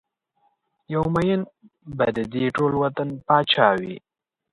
یو ميېن به ددې ټول وطن پاچا وي